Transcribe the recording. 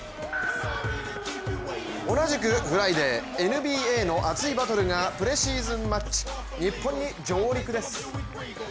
同じくフライデーＮＢＡの熱いバトルがプレシーズンマッチ、日本に上陸です。